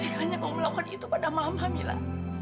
tiga tiganya kamu melakukan itu pada mama mila